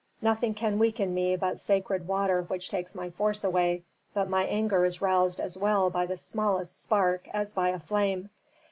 "Nothing can weaken me but sacred water which takes my force away. But my anger is roused as well by the smallest spark as by a flame.